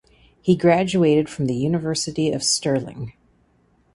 He graduated from the University of Stirling.